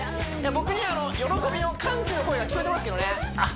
僕には喜びの歓喜の声が聞こえてますけどねあっ